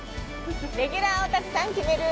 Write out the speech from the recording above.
レギュラーをたくさん決める！！